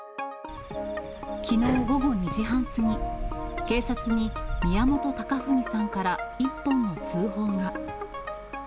きのう午後２時半過ぎ、警察に宮本隆文さんから１本の通報が。